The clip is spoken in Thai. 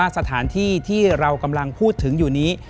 สถานที่ที่เรากำลังพูดถึงอยู่นี้